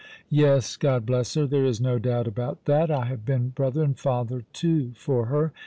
" Yes, God bless her, there is no doubt about that. I have been brother and father too for her.